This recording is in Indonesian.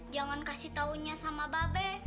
jangan kasih taunya sama babe